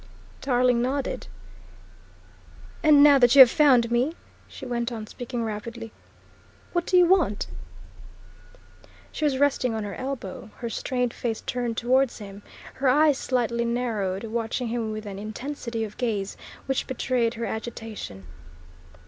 Tarling nodded. "And now that you have found me," she went on, speaking rapidly, "what do you want?" She was resting on her elbow, her strained face turned towards him, her eyes slightly narrowed, watching him with an intensity of gaze which betrayed her agitation.